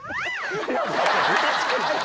おかしくない？